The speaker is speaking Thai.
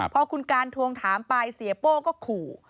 พอคุณการทวงถามไปเสียโป้ก็ขู่